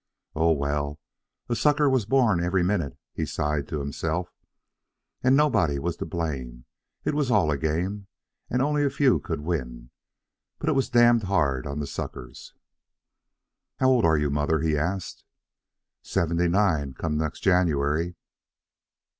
Oh, well, a sucker was born every minute, he sighed to himself, and nobody was to blame; it was all a game, and only a few could win, but it was damned hard on the suckers. "How old are you, mother?" he asked. "Seventy nine come next January."